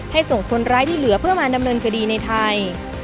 ส่งคนร้ายที่เหลือเพื่อมาดำเนินคดีในไทย